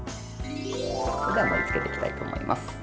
それでは盛りつけていきたいと思います。